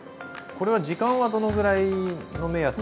これは時間はどのぐらいの目安に？